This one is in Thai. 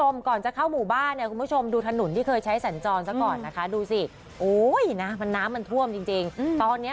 มันมีในหลายพื้นที่ที่